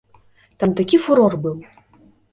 Там такі фурор быў!